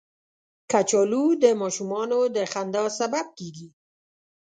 کچالو د ماشومانو د خندا سبب کېږي